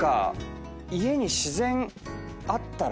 家に自然あったらいいな。